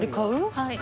はい。